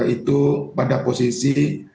itu pada posisi